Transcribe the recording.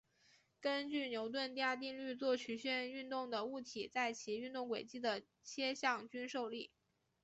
根据牛顿第二定律做曲线运动的物体在其运动轨迹的切向均受力。